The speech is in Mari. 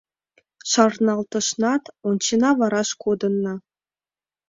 Шарналтышнат, ончена — вараш кодынна.